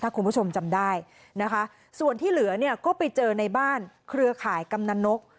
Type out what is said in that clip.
คุณผู้ชมจำได้นะคะส่วนที่เหลือเนี่ยก็ไปเจอในบ้านเครือข่ายกำนันนก